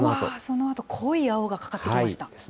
うわー、そのあと濃い青がかかってきました。